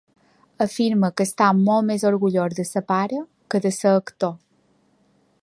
Afirma que està molt més orgullós de ser pare que de ser actor.